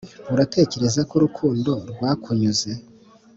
uratekereza ko urukundo 'rwakunyuze,